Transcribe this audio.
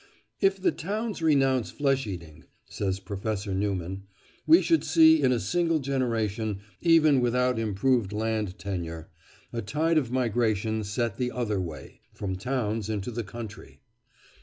"If the towns renounced flesh eating," says Professor Newman, "we should see in a single generation, even without improved land tenure, a tide of migration set the other way—from towns into the country.